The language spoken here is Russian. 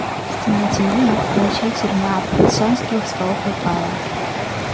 Стена теней, ночей тюрьма под солнц двустволкой пала.